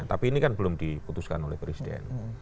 tapi ini kan belum diputuskan oleh presiden